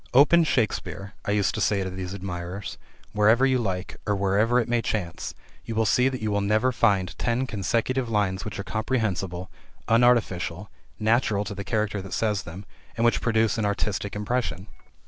"Open Shakespeare," I used to say to these admirers, "wherever you like, or wherever it may chance, you will see that you will never find ten consecutive lines which are comprehensible, unartificial, natural to the character that says them, and which produce an artistic impression."